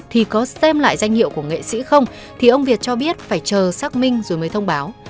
thì có xem lại danh hiệu của nghệ sĩ không thì ông việt cho biết phải chờ xác minh rồi mới thông báo